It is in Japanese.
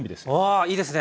あいいですね。